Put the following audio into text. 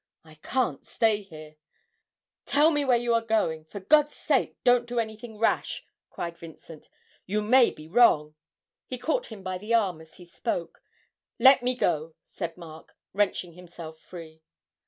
I can't stay here!' 'Tell me where you are going for God's sake don't do anything rash!' cried Vincent. 'You may be wrong!' He caught him by the arm as he spoke. 'Let me go!' said Mark, wrenching himself free.